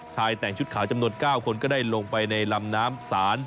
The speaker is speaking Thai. แต่งชุดขาวจำนวน๙คนก็ได้ลงไปในลำน้ำศาล